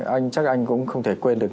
anh chắc anh cũng không thể quên được